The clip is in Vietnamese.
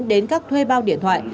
đến các thuê bao điện thoại